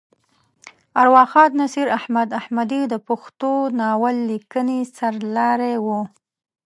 ارواښاد نصیر احمد احمدي د پښتو ناول لیکنې سر لاری وه.